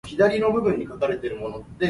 捋